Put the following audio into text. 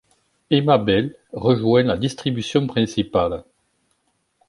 Emma Bell rejoint la distribution principale.